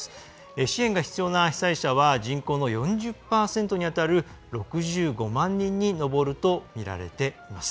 支援が必要な被災者は人口の４０％にあたる６５万人に上るとみられています。